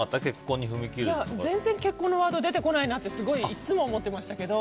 全然結婚のワードが出てこないなっていつも思ってましたけど。